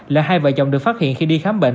là hai vợ chồng được phát hiện khi đi khám bệnh